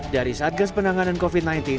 dari satgas penanganan covid sembilan belas